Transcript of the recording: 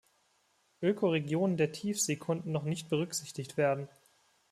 Ökoregionen der Tiefsee konnten noch nicht berücksichtigt werden.